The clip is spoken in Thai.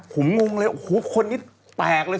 โค่งงเลยคนนี้แตกเลย